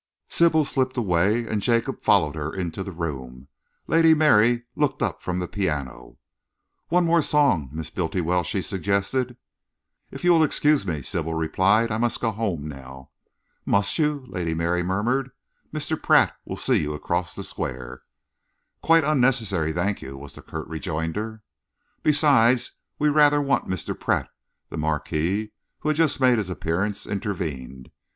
Sybil slipped away and Jacob followed her into the room. Lady Mary looked up from the piano. "One more song, Miss Bultiwell?" she suggested. "If you will excuse me," Sybil replied, "I must go home now." "Must you?" Lady Mary murmured, "Mr. Pratt will see you across the Square." "Quite unnecessary, thank you," was the curt rejoinder. "Besides, we rather want Mr. Pratt," the Marquis, who had just made his appearance, intervened.